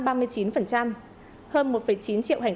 hơn một chín triệu hành khách tăng năm mươi tám